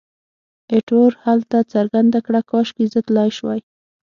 ایټور هیله څرګنده کړه، کاشکې زه تلای شوای.